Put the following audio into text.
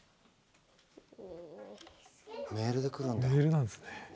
メールで来るんだ。